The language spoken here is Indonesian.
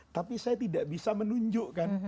tapi saya tidak bisa menunjukkan